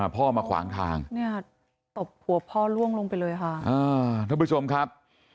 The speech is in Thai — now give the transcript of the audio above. พ่อมาขวางทางเนี่ยตบหัวพ่อล่วงลงไปเลยค่ะท่านผู้ชมครับ